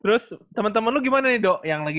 terus temen temen lu gimana nih dok yang lagi